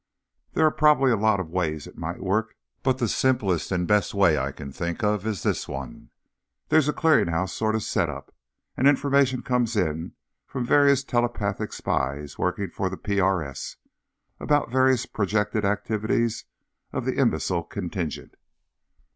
_ _There are probably a lot of ways it might work, but the simplest and best way I can think of is this one: there's a clearing house sort of set up, and information comes in from various telepathic spies working for the PRS, about various projected activities of the imbecile contingent.